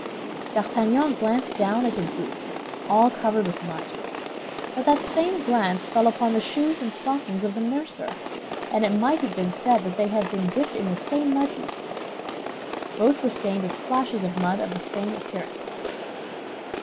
D'Artagnan glanced down at his boots, all covered with mud; but that same glance fell upon the shoes and stockings of the mercer, and it might have been said they had been dipped in the same mud heap. Both were stained with splashes of mud of the same appearance.